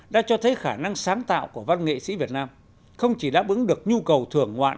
đã cho thấy khả năng sáng tạo của văn nghệ sĩ việt nam không chỉ đáp ứng được nhu cầu thưởng ngoạn